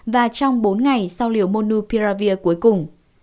và trong bốn ngày sau liều monopiravir cuối cùng